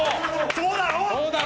そうだろう！